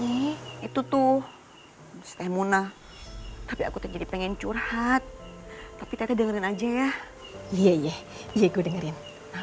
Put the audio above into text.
ini itu tuh temuna tapi aku jadi pengen curhat tapi tete dengerin aja ya iye iye iye gue dengerin